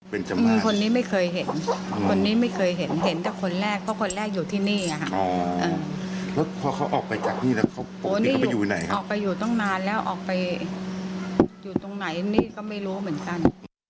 เป็นคนที่ไม่เคยเห็นคนนี้ไม่เคยเห็นเห็นแต่คนแรกก็คนแรกอยู่ที่นี่ออกไปอยู่ตั้งนานแล้วออกไปอยู่ตรงไหนนี่ก็ไม่รู้เหมือนกัน